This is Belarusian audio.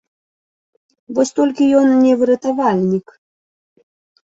Вось толькі ён не выратавальнік.